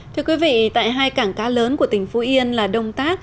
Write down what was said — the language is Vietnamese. thưa quý vị tại hai cảng cá lớn của tỉnh phú yên là đông tác